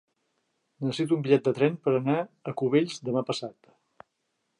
Necessito un bitllet de tren per anar a Cubells demà passat.